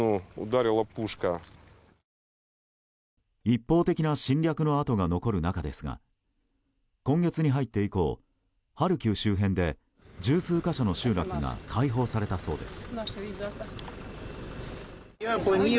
一方的な侵略の跡が残る中ですが今月に入って以降ハルキウ周辺で十数か所の集落が解放されたそうです。